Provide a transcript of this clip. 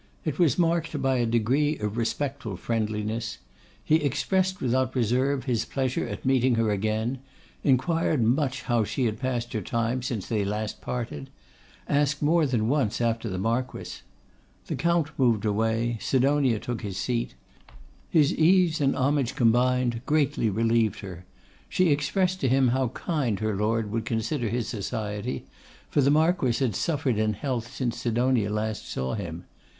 It was marked by a degree of respectful friendliness. He expressed without reserve his pleasure at meeting her again; inquired much how she had passed her time since they last parted; asked more than once after the Marquess. The Count moved away; Sidonia took his seat. His ease and homage combined greatly relieved her. She expressed to him how kind her Lord would consider his society, for the Marquess had suffered in health since Sidonia last saw him.